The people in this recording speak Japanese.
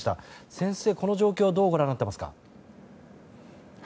先生、この状況はどうご覧になっていますか。